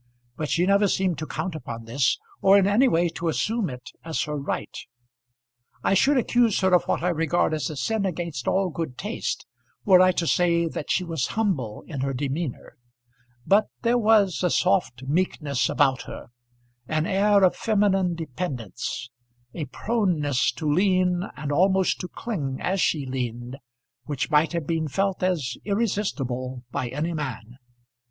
But she never seemed to count upon this, or in any way to assume it as her right. I should accuse her of what I regard as a sin against all good taste were I to say that she was humble in her demeanour; but there was a soft meekness about her, an air of feminine dependence, a proneness to lean and almost to cling as she leaned, which might have been felt as irresistible by any man.